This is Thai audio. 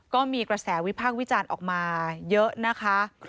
ก็มีกระแสวิพากษ์วิจารณ์ออกมาเยอะนะคะ